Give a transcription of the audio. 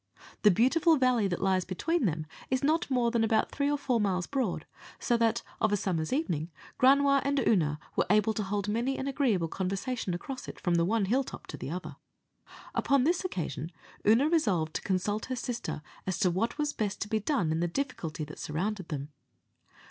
The beautiful valley that lies between them is not more than about three or four miles broad, so that of a summer's evening, Granua and Oonagh were able to hold many an agreeable conversation across it, from the one hill top to the other. Upon this occasion Oonagh resolved to consult her sister as to what was best to be done in the difficulty that surrounded them.